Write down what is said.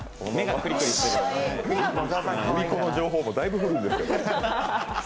売り子の情報もだいぶ古いんですけど。